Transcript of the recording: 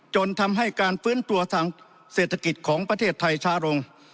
จนทำให้การฟื้นตัวทางเศรษฐกิจของประเทศไทยช้าลง